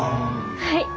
はい。